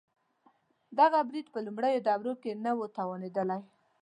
دغه برید په لومړنیو دورو کې نه و توانېدلی.